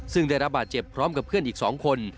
ซึ่งได้รับบาดเจ็บพร้อมกับเพื่อนอีก๒คน